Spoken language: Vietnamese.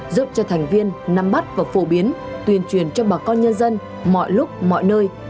giúp cho thành viên nắm bắt và phổ biến tuyên truyền cho bà con nhân dân mọi lúc mọi nơi